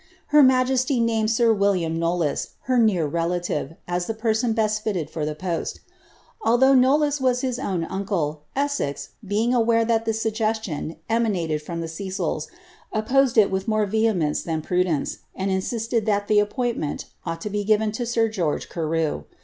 Her majesty named sir William Knollvs, her near relative, as the persoa best filled for ihe post. Although Knoliys was his own uncle. Eswi;. being aware that the suggestion emariaied from the Cecils, opposed ii wilh more vehemence than prudence, and insisted that the appiiintiiifnl ought to be given lo sir George Carew.